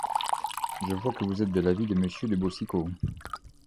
Je vois que vous êtes de l'avis de monsieur de Boucicaut.